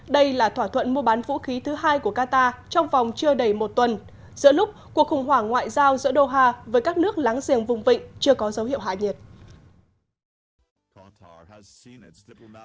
đây là thỏa thuận mua bán vũ khí thứ hai của qatar trong vòng chưa đầy một tuần giữa lúc cuộc khủng hoảng ngoại giao giữa doha với các nước láng giềng vùng vịnh chưa có dấu hiệu hạ nhiệt